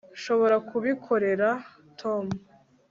nshobora kubikorera tom